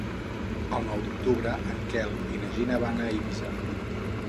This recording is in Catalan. El nou d'octubre en Quel i na Gina van a Eivissa.